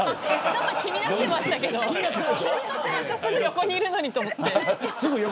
ちょっと気になってましたけどすぐ横にいるのにと思って。